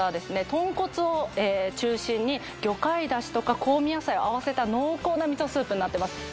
豚骨を中心に魚介出汁とか香味野菜を合わせた濃厚な味噌スープになってます